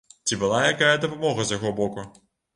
Ці была якая дапамога з яго боку?